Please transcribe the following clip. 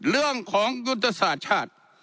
เรื่องของยุทธศาสตร์ชาติ